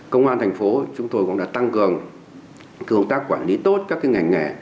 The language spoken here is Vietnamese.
công an thành phố chúng tôi cũng đã tăng cường công tác quản lý tốt các ngành nghề